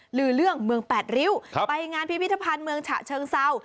หรือเรื่องเมืองแปดริ้วไปงานพิพิธภัณฑ์เมืองฉะเชิงเซา